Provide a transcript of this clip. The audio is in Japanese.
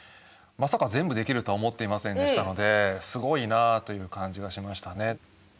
まさか全部できるとは思っていませんでしたのですごいなという感じがしましたね。